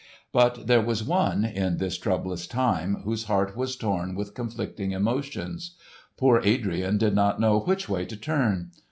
But there was one, in this troublous time, whose heart was torn with conflicting emotions. Poor Adrian did not know which way to turn.